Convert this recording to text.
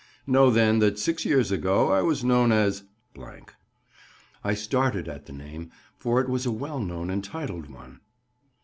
Know, then, that six years ago I was known as —." I started at the name, for it was a well known and titled one.